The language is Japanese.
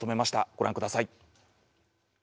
ご覧ください。